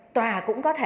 tòa cũng có thể